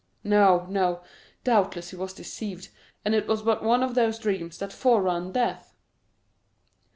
No, no, doubtless he was deceived, and it was but one of those dreams that forerun death!